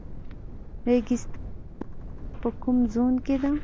ریګستان دښته په کوم زون کې ده؟